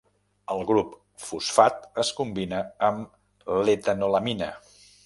El grup fosfat es combina amb l'etanolamina.